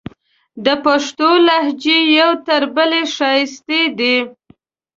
د پښتو لهجې یو تر بلې ښایستې دي.